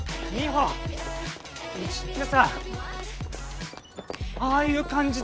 うちってさああいう感じで。